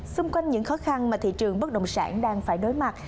xung quanh những khó khăn mà thị trường bất động sản đang phải đối mặt